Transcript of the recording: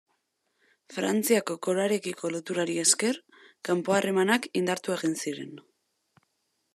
Frantziako koroarekiko loturari esker, kanpo harremanak indartu egin ziren.